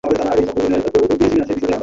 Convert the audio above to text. কিন্তু ছেলেকে না জানিয়েও থাকতে পারছিলেন না।